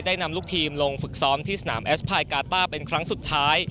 นำลูกทีมลงฝึกซ้อมที่สนามแอสพายกาต้าเป็นครั้งสุดท้าย